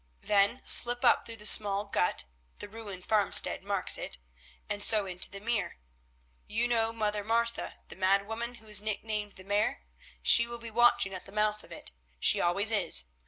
Then slip up through the small gut—the ruined farmstead marks it—and so into the mere. You know Mother Martha, the mad woman who is nicknamed the Mare? She will be watching at the mouth of it; she always is.